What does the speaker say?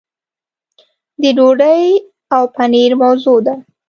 د ډوډۍ او پنیر موضوع ده.